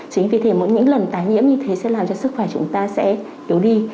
chính vì thế mỗi những lần tái nhiễm như thế sẽ làm cho sức khỏe chúng ta sẽ yếu đi